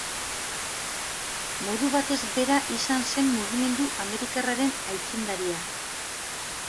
Modu batez bera izan zen mugimendu amerikarraren aitzindaria.